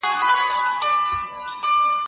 برښنا بې ځایه مه مصرفوئ.